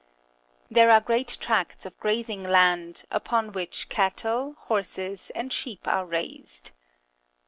There are great tracts of grazing land, upon which cattle, horses and sheep are raised.